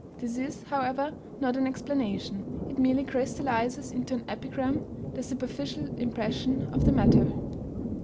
This is, however, not an explanation. It merely crystallizes into an epigram the superficial impression of the matter.